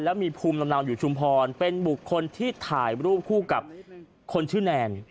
แล้วมีภูมิลำเนาอยู่ชุมพรเป็นบุคคลที่ถ่ายรูปคู่กับคนชื่อแนน